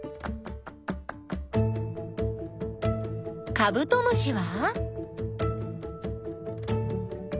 カブトムシは？